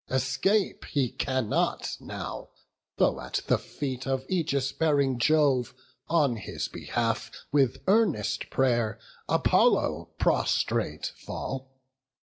Escape he cannot now, though at the feet Of aegis bearing Jove, on his behalf, With earnest pray'r Apollo prostrate fall.